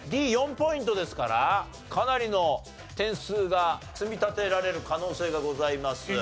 Ｄ４ポイントですからかなりの点数が積み立てられる可能性がございます。